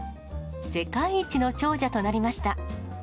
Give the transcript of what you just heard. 世界一の長者となりました。